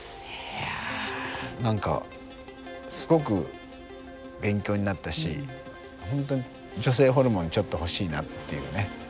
何かすごく勉強になったし本当に女性ホルモンちょっと欲しいなっていうね。